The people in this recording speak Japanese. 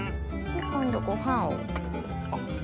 今度ご飯を。